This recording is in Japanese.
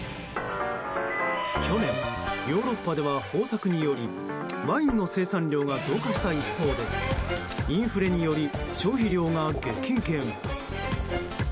去年、ヨーロッパでは豊作によりワインの生産量が増加した一方でインフレにより消費量が激減。